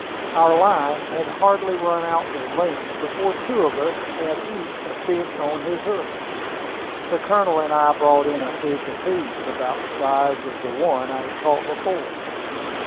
Our lines had hardly run out their length before two of us had each a fish on his hook. The Colonel and I brought in a fish apiece, about the size of the one I had caught before.